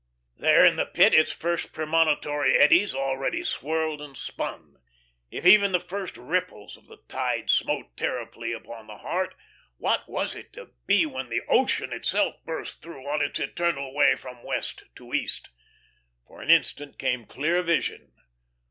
There in the Pit its first premonitory eddies already swirled and spun. If even the first ripples of the tide smote terribly upon the heart, what was it to be when the ocean itself burst through, on its eternal way from west to east? For an instant came clear vision.